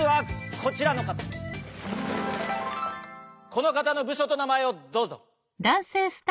この方の部署と名前をどうぞ。